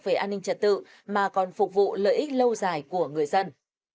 về an ninh trật tự mà còn phục vụ lợi ích lâu dài của người dân